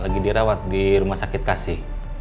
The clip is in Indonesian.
lagi dirawat di rumah sakit kasih